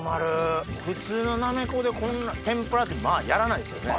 普通のなめこでこんな天ぷらってまぁやらないですよね。